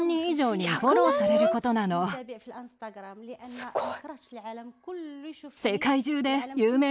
すっごい。